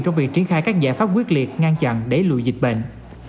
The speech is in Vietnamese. trong việc triển khai các giải pháp quyết liệt ngăn chặn đẩy lùi dịch bệnh